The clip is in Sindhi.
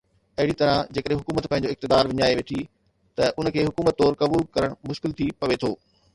اهڙي طرح جيڪڏهن حڪومت پنهنجو اقتدار وڃائي ويٺي ته ان کي حڪومت طور قبول ڪرڻ مشڪل ٿي پوي ٿو.